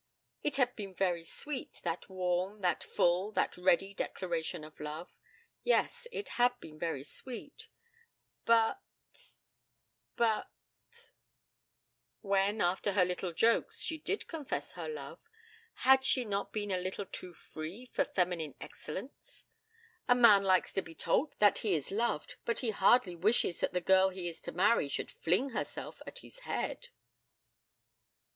It had been very sweet, that warm, that full, that ready declaration of love. Yes; it had been very sweet; but but ; when, after her little jokes, she did confess her love, had she not been a little too free for feminine excellence? A man likes to be told that he is loved, but he hardly wishes that the girl he is to marry should fling herself at his head!